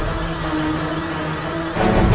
aku akan menangkan gusti ratu